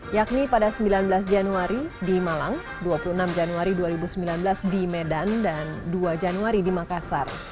yakni pada sembilan belas januari di malang dua puluh enam januari dua ribu sembilan belas di medan dan dua januari di makassar